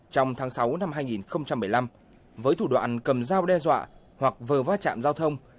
trong tháng sáu năm hai nghìn một mươi năm với thủ đoàn cầm giao đe dọa hoặc vờ vát chạm giao thông